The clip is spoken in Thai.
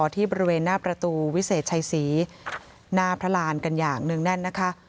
ที่บริเวณหน้าประตูวิเศษชัยศรีหน้าพระรานกันอย่างเนื่องแน่นนะคะ